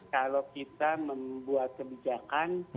kalau kita membuat kebijakan